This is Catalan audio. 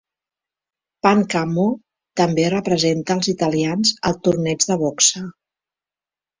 Pancamo també representa els italians al torneig de boxe.